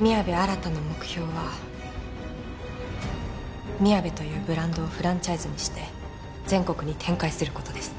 宮部新の目標はみやべというブランドをフランチャイズにして全国に展開する事です。